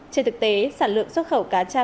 trên thực tế sản lượng xuất khẩu cá tra